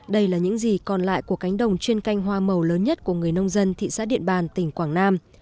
đây là những gì còn lại của cánh đồng chuyên canh hoa màu lớn nhất của người nông dân thị xã điện bàn tỉnh quảng nam